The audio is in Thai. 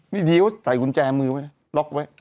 นี่ดีเขาใส่กุญแจมือไว้ล็อกไว้